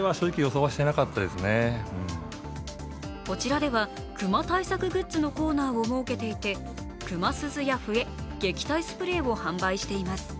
こちらでは熊対策グッズのコーナーを設けていて、熊鈴や笛、撃退スプレーを販売しています。